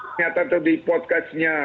ternyata tadi podcastnya